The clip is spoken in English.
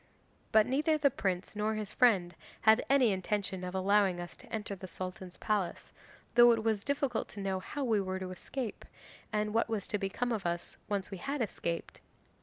'But neither the prince nor his friend had any intention of allowing us to enter the Sultan's palace, though it was difficult to know how we were to escape, and what was to become of us when once we had escaped.